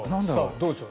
どうでしょう。